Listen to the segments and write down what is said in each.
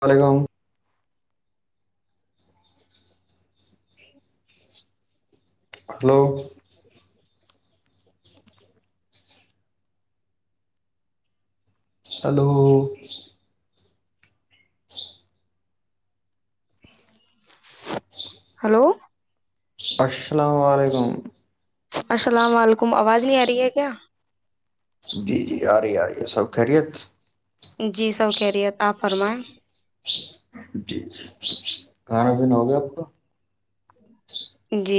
بالگاؤں hello hello hello السلام علیکم السلام و علیکم آواز نہیں آ رہی ہے کیا جی جی آ رہی آ رہی ہے سب خیریت جی سب کہہ رہیے آپ فرمائیں جی ج کھانا پینا ہو گیا آپ کا جی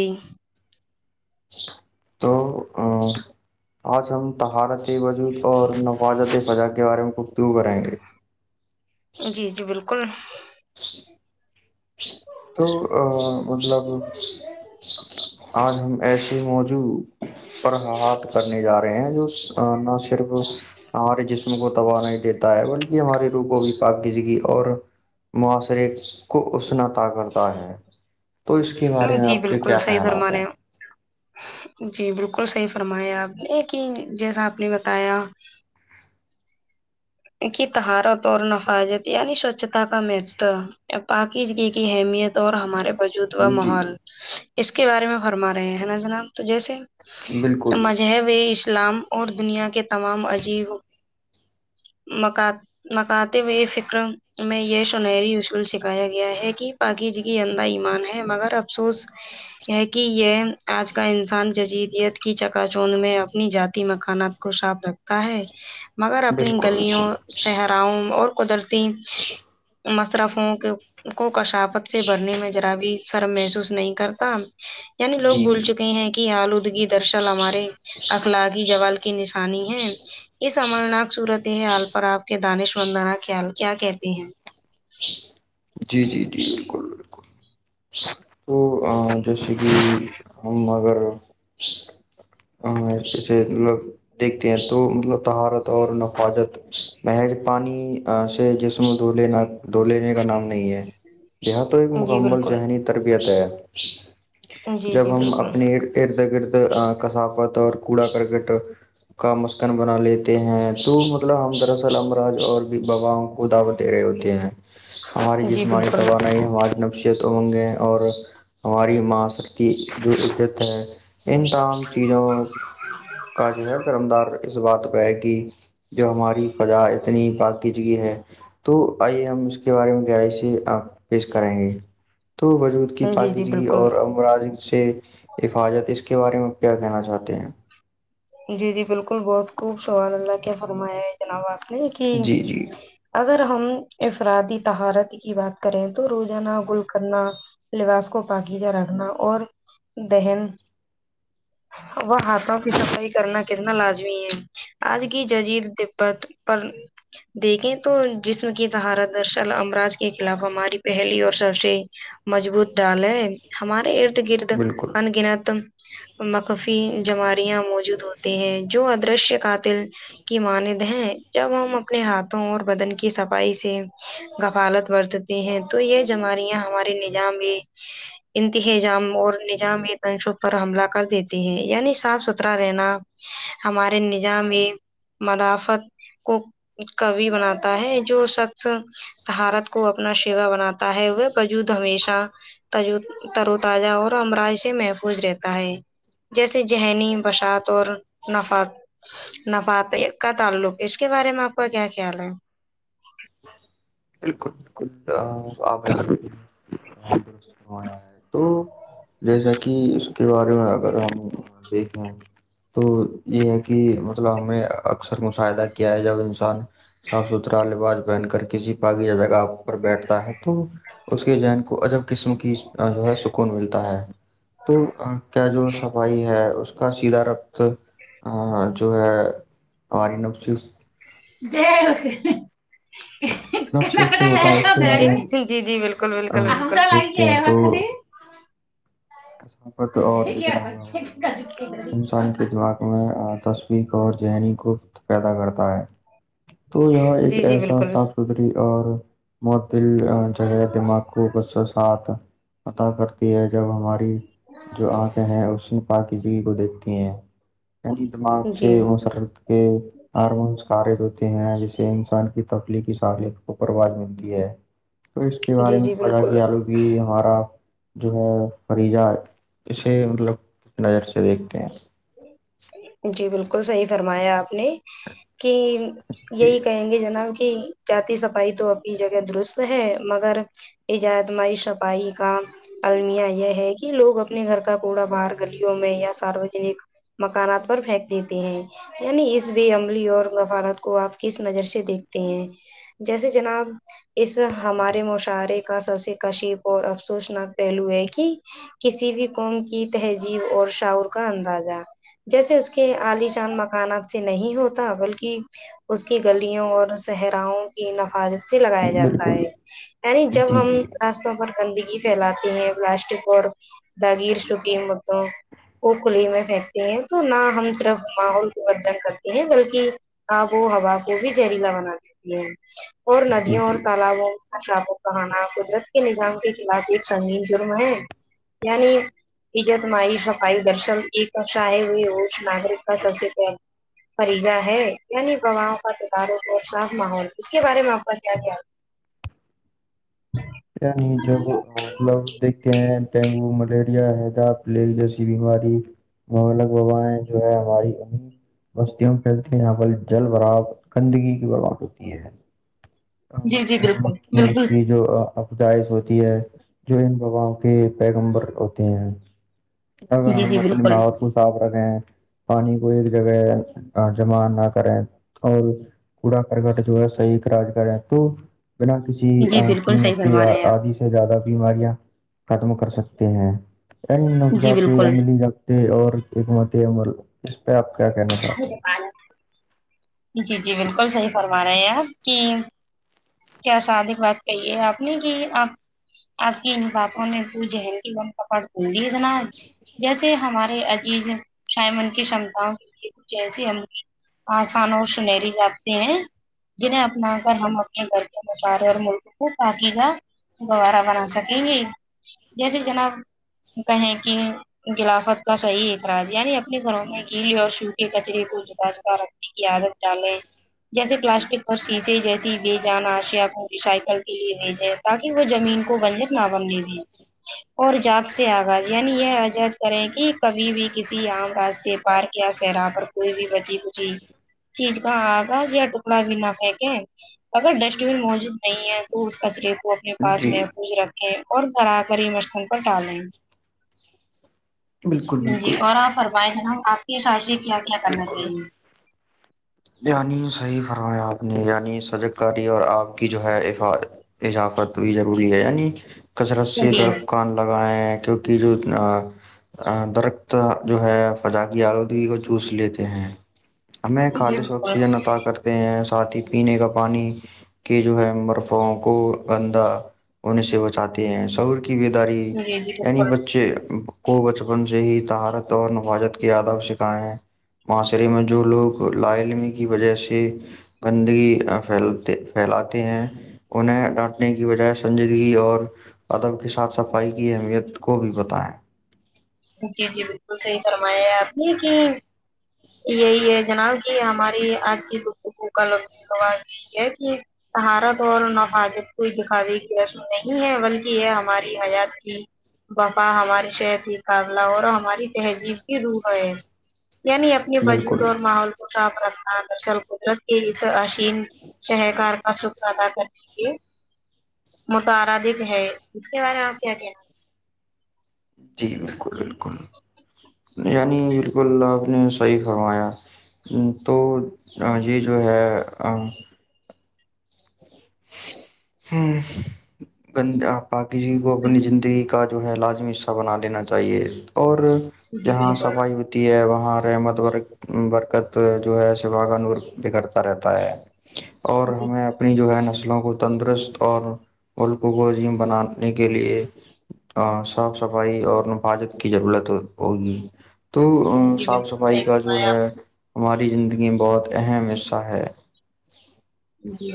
تو آج ہم طہارت وجود اور نفاجت فزا کے بارے میں خبتو کریں گے جی جی بالکل تو مطلب آج ہم ایسے موجو پر ہات کرنے جا رہے ہیں جو نہ صرف ہمارے جسم کو تباہ نہیں دیتا ہے بلکہ ہمارے روح کو بھی پاک گزگی اور معاشرے کو اسنت کرتا ہے تو اس کے بارے میں جی آپ کے بالکل کیا صحیح فرما خیالات ہیں رہے جی بالکل صحیح فرمایا آپ نے ایک ہی جیسا آپ نے بتایا کی تہارت اور نفاجت یعنی سوچھتا کا مہتو پاکیزگی کی اہمیت اور ہمارے وجود و ہیں جی ماحول اس کے بارے میں فرما رہے ہیں نا جناب تو جیسے بالکل جو وہ اسلام اور دنیا کے تمام عجیب مک مکاتے ہوئے فکر میں یہ سنری شول س کہایا گیا ہے کہ پااکی جی کی اندا ایمان ہے مگر افسوس یہ کہ یہ آج کا انسان جزیدیت کی چکا چونند میں اپنی جاتی مکانات خشاپ رکھتا ہے مگر اپنی بالکل بالکل گلیوں جی صحراؤوں اور قدرتی ت مسر فون کے کو کشافت سے بھرنے میں ذرا بھی شرم محسوس نہیں کرتا یعنی لوگ بھول جی چکے ہیں کہ آلودگی درشل ہمارے اخلاقی جال کی انی ہے یہ سملناک سورت د آال پر آپ کے دانش وندنا خیال کیا کہتی ہیں جی جی جی بالکل بالکل تو جیسے کہ ہم اگر ہ اا س مطلب دیکھتے ہیں تو مطلب طہارت اور نفاجت محض پانی جسم د لینا د لینے کا نام نہیں ہے یہاں تو ایک جی مکمل بالکل ذہنی تربیت ہے جی جب جی ہم بالکل اپنے ارد گرد کثافت اور کوڑا کرکٹ کا مثکن بنا لیتے ہیں تو مطلب ہم دراصل امراج اور باباؤں کو دعوت دے رہے ہوتے ہیں ہماری جی جسمانی بالکل توانائی ہم ن تو ہوںگے اور ہماری ماس کی جو عزت ہے ان تمام چیزوں کا جو ہے درم دار اس بات پہ ہے کہ جو ہماری پدا اتنی بقی جگی ہے تو آئیے ہم اس کے بارے میں گہرائی سے آپ پیش کرائیں گے تو وجود اس کی جی جی پاکییدگی بالکل اور امراد سے حفاظت اس کے بارے میں کیا کہنا چاہتے ہیں جی جی بالکل بہت خوب سوال اللہ کیا فرمایا ہے جناب آپ نے کہ جی جی اگر ہم افرادی تہارت کی بات کریں تو روزانہ گل کرنا لباس کو پاکیج رکھنا اور دہن وہ ہاتھوں پیتاا کا کرنا کتنا لازمی ہے آج کی ججیر تبت پر دیکھیں تو جسم کی طہارت درصل امراج کے خلاف ہماری پہلی اور سب سے مضبوط ڈالے ہمارے ارد رد گرد بالکل انگنت مکفی جماریاں موجود ہوتے ہیں جو ادرشیہ قاتل کی ماند ہیں جب ہم اپنے ہاتھوں اور بدن کی صفائی سے غفالت برتتے ہیں تو یہ جماریاں ہمارے نظام بھی انتہجام اور نظام یہ اننشب پر حملہ کر دیتی ہے یعنی صاف ستھرا رہنا ہمارے نظام میں مدافعت کو کو بناتا ہے جو سخ حھارت کو اپنا شیوا بناتا تا ہے وہ بجود ہمیشہ ت ترو تازہ اور امراض سے محفوظ رہتا ہے جیسے ذہنی بسات تو نف نفات کا تعلق اس کے بارے میں آپ کا کیا خیال ہے بالکل بالکل آ تو جیسا کہ اس کے بارے میں آ دیکھ تو یہ ہے کہ مطلب ہمیں اکثر مشاہدہ کیا ہے جب انسان صاف ستھرا لباظ پر بن کر کسی پاگی جگہ پر بیٹھتا ہے تو اس کے جین کو اجب قسم کی جو ہے سکون ملتا ہے تو کیا جو صفائی ہے کا سیدھا رقت جو ہے ہماری نفس [unintelligible] نفسیت سے ہوتا ہے اس کے بارے میں جی جی بالکل آ، بالکل دیکھتے ثافت اور لگیرا ہوا ماحول انسان کے دماغ میں تصویق اور ذہنی گفت پیدا کرتا ہے تو یہاں ایک جی جی ایسا بالکل صاف ستھری اور معطل جگہ دماغ کو غص ساتھ عطا کرتی ہے جب ہمارے جو آنکھیں ہیں اس نے پااکی جی کو دیکھتی ہیں نی دماغ جی سے مسرت کے ہارمونس سارے دھ ہوتے ہیں جسے انسان کی تخلیقی سہالت کو پرواز ملتی ہے تو اس کے بارے جی میں جی پتا بالکل کہ آلودگی ہمارا جو ہے فریضہ اسے مطلب نظر سے دیکھتے ہیں جی بالکل صحیح فرمایا آپ نے کہ جی یہی کہیں گے جناب کہ جی صفائی تو اپنی جگہ درست ہے مگر ایجت مائی صفائی کا المیاں یہ ہے کہ لوگ اپنے گھر کا کوڑا باہر گلیوں میں یا ساروجنک مکانات پر پھینک دیتے ہیں یعنی اس بھیے عملی اور وفارت کو آپ کس نظر سے دیکھتے ہیں جیسے جناب اس جی ہمارے موش شارے کا سب سے کشیف اور افسوسناک پہلو ہے کہ کسی بھی قوم کی تہذیب اور شعور کا اندازہ جیسے اس کے عالی شان مکانات سے نہیں ہوتا بلکہ اس کی گلیوں اور صحراؤوں کی نفاذت سے لگایا جاتا ہے بالکل یعنی جب جی ہم جی راستوں پر گندگی پھیلاتے ہیں پلاسٹک اور داغیر شو قیمتوں کو کھلی میں پھینکتے ہیں تو نہ ہم صرف ماحول کودن کرتے ہیں بلکہ آب و ہوا کو بھی زہریلا بنا دیتی ہے اور جی ندیوں اور جی تالابوں اچھا آپ کو کہانا قدرت کے نظام کے خلاف ایک سنگین جرم ہے یعنی عجت مائی سفائی درشن ایک اا ہے ناگررک کا سب سے پ پریجہ ہے یعنی پرواہ کا تدار اور صاف ماحول اس کے بارے میں آپ کا کیا کیا یع جب لوگ دیکھتے ہیں ڈینگو ملیریا حیدا پلیل جیسی بیماری مہلک ببایں جو ہے ہماری اد بستیوں پھیلتی ہیں یہاں پر جل بر گندگی کی برباد ہوتی ہے جی جی مچھر بالکل مکھیاں بالکل کی جو داعش ہوتی ہے جو ان بباؤں کے پیغمبر ہوتے ہیں اگر جی ہم جی اپنی بالکل بہت کو صاف رکھیں پانی کو ایک جگہ جمع نہ کریں اور کوڑا کرکٹ جو ہے صحیحاج کر ہے تو بنا کسی جی بالکل صحیح قیمت کے فرما رہے ہیں آدی سے زیادہ بیماریاں ختم کر سکتے ہیں ان آپ جی نوجات بالکل عملی اور حکمت عمل اس پہ آپ کیا کہنا چاہتے ہیں جی جی بالکل صحیح فرما رہے ہیں آپ کی کیا سادق بات کہی ہے آپ نے کہ آپ آپ کی ان پاپوں نے تو جہل کی بند کپا بجے جناب جیسے ہمارے عزیز شاہ ان کی شمتاؤں کے لیے کچھ ایسی ہم آسان اور سنہری جاتے ہیں جنہیں اپنا کر ہم گھر کے بیپار اور ملک کو پاکیزہ گوارہ بنا سکیں گے جیسے جناب کہیں کہ غلافت کا صحیح اعتراج یعنی اپنے گھروں میں کییل اور شو کے کچرے کو جتا جتا رکھ کی عادت ڈالے جیسے پلاسٹک پر شیشے جیسی بھی جان آشیاء کو ریسائیکل کے لیے بھیجیں تاکہ وہ زمین کو ونجر نہ بننے دے اور جات سے آغاز یعنی یہ عجد کریں کہ کبھی بھی کسی عام راستے پ پار کیا سراہ پر کوئی بھی بچی بجی چیز کا آگا یا ٹکڑا بھی نہ پھیکے اگر ڈسٹ بین موجود نہیں ہے تو اس کچرے کو اپنے ہیں پاس جی محفوظ رکھ اور گھر آ کر ع مرتن پر الیں بالکل جی بالکل اور آپ فرمائ جنا آپ کے سارشیں کیا کیا کرنا چاہیے یعنی صحیح فرمایا آپ نے یعنی سجا کراریی اور آپ کی جو ہے عفاظت حجاقت بھی ضروری ہے یعنی کثرت سے در جی کان لگائےیں ہیں کیونکہ جو درخت جو ہے فضااکی آلودگی کو جوس لیتے ہیں ہمیں جی خالے سے بالکل آکسیجن اتاا کرتے ہیں ساتھ ہی پینے کا پانی کے جو ہے مرفوں کو گندا ہونے سے بچاتے ہیں سور ب داری جی جی اینی بالکل وچچے کو بچپن سے ہی تہارت اور نفاجت کے آداب سکھائے ہیں معاشرے میں جو لوگ لائمی کی وجہ سے گندگی پھیل پھیلاتے ہیں انہیں ڈانٹنے کی بجائے سنجیدگی اور ادب کے ساتھ صفائی کی اہمیت کو بھی بتائیں جی جی بالکل صحیح فرمایا ہے آپ نے کہ یہی ہے جناب کہ ہماری آج کی گفتگو کا لگ لباؤ یہی ہے کہ تہارت اور نفاادت کو دکھاوے کی رسم نہیں ہے بلکہ یہ ہماری حیات کی بپا ہماری شہ تھی مقابلہ اور ہماری تہذیب کی روح ہے یعنی اپنے وجود بالکل اور ماحول شاتان درصل قدرت کے اس آشین شہکار کا شکر ادا کرنے کے متعارادک ہے اس کے بارے میں آپ کیا کیا جی بالکل بالکل یعنی بالکل آپ نے صحیح کروایا تو یہ جو ہے ہ گند آااک جی کو اپنی زندگی کا ہے لازمی حصہ بنا لینا چاہیے اور جی جہاں بالکل صفائی ہے وہاں رحمت ورگ برکت جو ہے س باگان بگڑتا رہتا ہے اور جی ہمیں اپنی جو ہے نس وں کو تندرست اور ملک کوم بنانے کے لیے ہاں صاف صفائی اور ن بجک کی ضرورت ہوگی تو جی صاف بالکل صفائی صحیح کا جو فرمایا ہے آپ ہماری زندگی میں بہت اہم حصہ ہے جی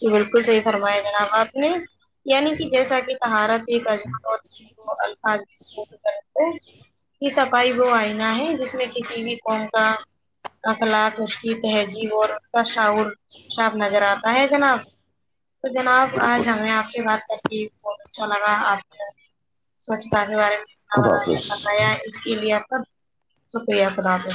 یہ بالکل صحیح فرمایا جناب آپ نے یعنی کہ جیسا کہ تہارت ایک عم الفاظ کوول کرتے یہ صفائی وہ آئنا ہے جس میں کسی بھی قوم کا اقلاات اس کی تہذیب اور اس کا شاعور صاف نظر آتا ہے جناب تو جناب آج بالکل آؤے آپ سے بات کر کے بہت اچھا لگا آپ سوچھتا کے بارے میں خدا ب حافظ بتایا اس کے لیے آپ کا شکریہ خدا حافظ